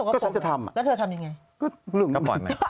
ก็ฉันจะทำ